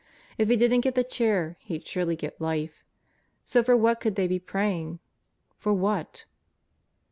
If he didn't get the chair he'd surely get life. So for what could they be praying? For what?